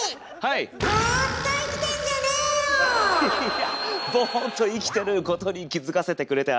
いやボーっと生きてることに気付かせてくれてありがとう。